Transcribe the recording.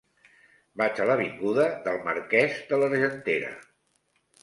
Vaig a l'avinguda del Marquès de l'Argentera.